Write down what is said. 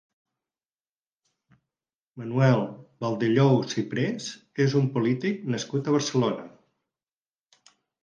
Manuel Baldellou Cipres és un polític nascut a Barcelona.